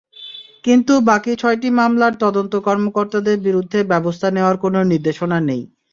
কিন্তু বাকি ছয়টি মামলার তদন্ত কর্মকর্তাদের বিরুদ্ধে ব্যবস্থা নেওয়ার কোনো নির্দেশনা নেই।